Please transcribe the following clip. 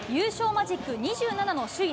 マジック２７の首位